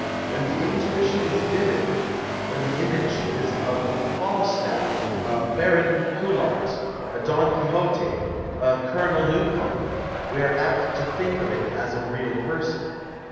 When the intuition is vivid, when the image is a Falstaff, a Baron llulot, a Don Quixote, a Colonel Newcome, we are apt to think of it as a real person.